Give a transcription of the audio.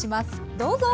どうぞ！